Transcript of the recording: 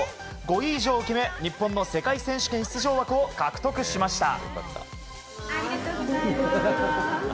５位以上を決め日本の世界選手権出場枠を獲得しました。